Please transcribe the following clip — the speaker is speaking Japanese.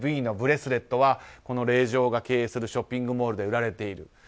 Ｖのブレスレットはこの令嬢が経営するショッピングモールで売られている。